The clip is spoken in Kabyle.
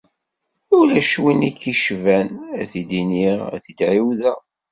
Ulac win i k-icban, ad t-id-iniɣ, ad t-id-ɛiwdeɣ.